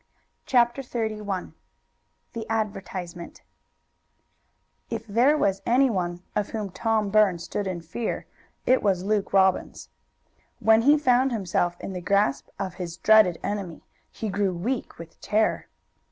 CHAPTER XXXI THE ADVERTISEMENT If there was anyone of whom Tom Burns stood in fear it was Luke Robbins. When he found himself in the grasp of his dreaded enemy, he grew weak with terror.